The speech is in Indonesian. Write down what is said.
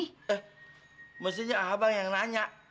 eh mestinya abang yang nanya